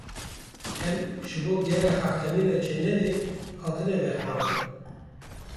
Em ji bo gera heftemîn a Cenevê hatine vexwendin.